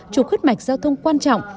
chủ khuất mạch giao thông quan trọng